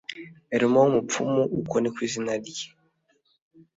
eluma w umupfumu uko ni ko izina rye